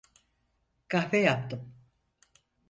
Kahve yaptım.